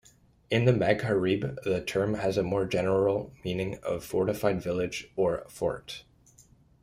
In the Maghreb, the term has a more general meaning of "fortified village,"or "fort".